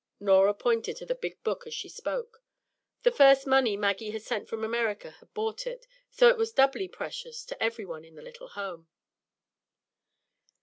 Norah pointed to the big book as she spoke. The first money Maggie had sent from America had bought it, so it was doubly precious to every one in the little home.